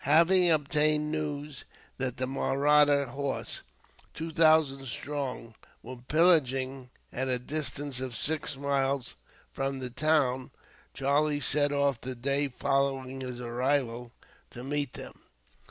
Having obtained news that the Mahratta horse, two thousand strong, were pillaging at a distance of six miles from the town, Charlie set off the day following his arrival to meet them.